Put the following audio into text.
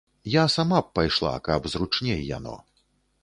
Я сама б пайшла, каб зручней яно.